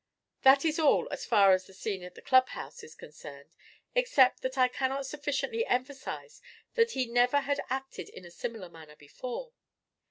That is all, as far as the scene at the clubhouse is concerned, except that I cannot sufficiently emphasise that he never had acted in a similar manner before.